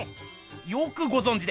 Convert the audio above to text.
よくごぞんじで！